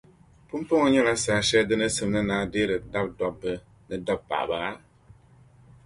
Pumpɔŋɔ nyɛla saha shɛli di ni simdi ni a deeri dabidɔbba ni dabipaɣiba?